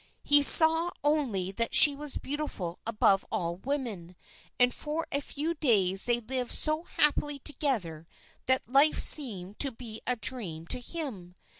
He saw only that she was beautiful above all women, and for a few days they lived so happily together that life seemed to be a dream to him.